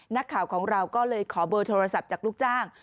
นักข่าวของเราก็เลยขอเบอร์โทรศัพท์จากลูกจ้าง